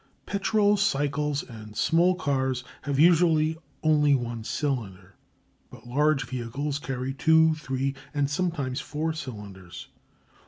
Petrol cycles and small cars have usually only one cylinder, but large vehicles carry two, three, and sometimes four cylinders.